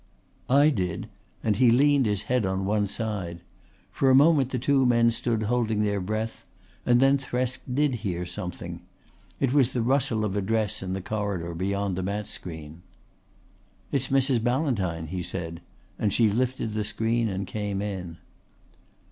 "I did," and he leaned his head on one side. For a moment the two men stood holding their breath; and then Thresk did hear something. It was the rustle of a dress in the corridor beyond the mat screen. "It's Mrs. Ballantyne," he said, and she lifted the screen and came in.